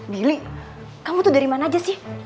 billy kamu tuh dari mana aja sih